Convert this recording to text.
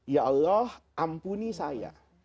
ya allah ampuni saya